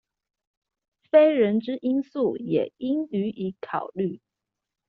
非人之因素也應予以考慮